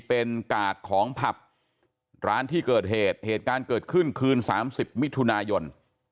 เป็นกาดของผับร้านที่เกิดเหตุเหตุการณ์เกิดขึ้นคืน๓๐มิถุนายน